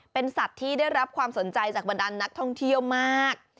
เป็นสัตว์ที่ได้รับความสนใจจากบรรดานนักท่องเที่ยวมาก